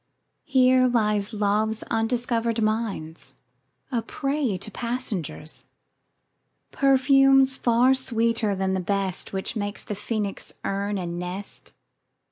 Here lie Love's undiscover'd mines, A prey to passengers— Perfumes far sweeter than the best 5 Which make the Phoenix' urn and nest.